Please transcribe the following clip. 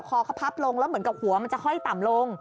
คอเขาพับลงแล้วเหมือนกับหัวมันจะค่อยต่ำลง